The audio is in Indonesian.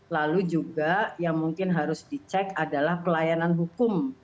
lalu juga yang mungkin harus dicek adalah pelayanan hukum